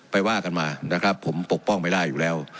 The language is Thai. ว่ากันมานะครับผมปกป้องไม่ได้อยู่แล้ว